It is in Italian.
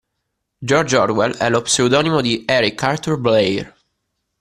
George Orwell è lo pseudonimo di Eric Arthur Blair.